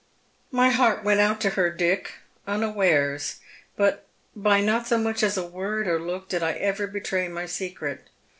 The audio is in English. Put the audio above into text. My heart went out to her, Dick, unawares, but by not so much as a word or look did I ever betray my secret.